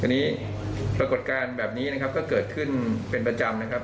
อันนี้ปรากฏการณ์แบบนี้นะครับก็เกิดขึ้นเป็นประจำนะครับ